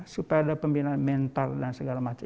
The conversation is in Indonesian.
supaya ada pembinaan mental dan segala macam